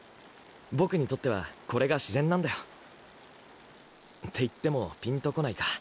ボクにとってはこれが自然なんだよ。って言ってもピンとこないか。